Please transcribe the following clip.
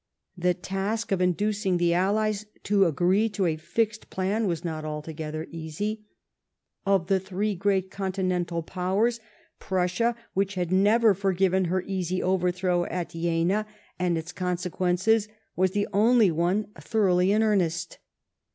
The ta>k of hiducing' the Allies to agree to a fixed ])lan was not altofjether easv. Of tlie three <rreat Continental Powers, Prussia, which had never forgiven her easy overthrow at Jena — and its consequences — was the only one thoroughly in earnest.